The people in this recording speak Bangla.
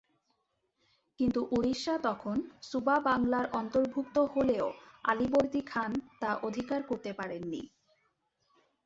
কিন্তু উড়িষ্যা তখন সুবা বাংলার অন্তর্ভুক্ত হলেও আলীবর্দী খান তা অধিকার করতে পারেন নি।